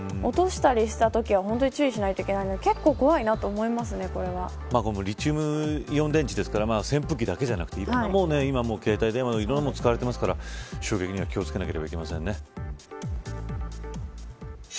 落としたりしたときは本当に注意しないといけないのでリチウムイオン電池なので扇風機だけじゃなくていろんなもの、携帯電話とかにも使われていますから衝撃には気を付けなきゃいけませんね。